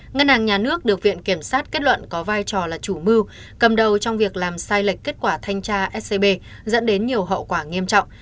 ngân hàng nhà nước được viện kiểm sát kết luận có vai trò là chủ mưu cầm đầu trong việc làm sai lệch kết quả thanh tra scb dẫn đến nhiều hậu quả nghiêm trọng